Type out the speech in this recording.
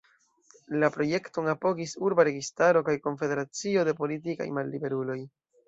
La projekton apogis urba registaro kaj konfederacio de politikaj malliberuloj.